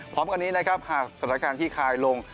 พร้อมกันนี้นะครับหากสถานการณ์ที่คายลง